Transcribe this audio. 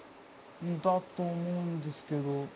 だと思うんですけど。